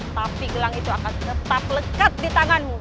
tapi gelang itu akan tetap lekat di tanganmu